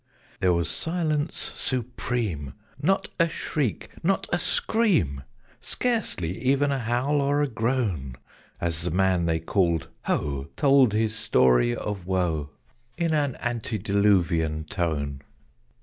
There was silence supreme! Not a shriek, not a scream; Scarcely even a howl or a groan, As the man they called "Ho!" told his story of woe In an antediluvian tone.